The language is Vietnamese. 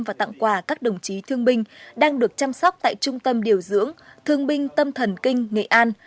và tặng quà các đồng chí thương binh đang được chăm sóc tại trung tâm điều dưỡng thương binh tâm thần kinh nghệ an